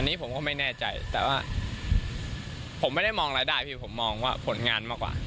อันนี้ผมก็ไม่แน่ใจแต่ว่าผมไม่ได้มองรายได้พี่ผมมองว่าผลงานมากกว่า